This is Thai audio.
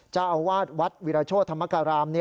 เจ้าอาวาสวัดวิรโชธธรรมการาม